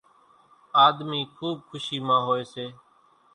آۮمِي کُوٻ کُشِي مان هوئيَ سي۔